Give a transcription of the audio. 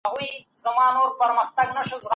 که اړتیا محسوسه سي نو څېړنه ګټوره واقع کيږي.